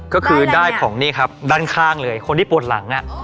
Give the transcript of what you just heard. ก็คือได้ของนี่ครับด้านข้างเลยคนที่ปวดหลัง